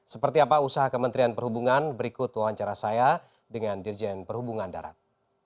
seperti apa usaha kementerian perhubungan berikut wawancara saya dengan dirjen perhubungan darat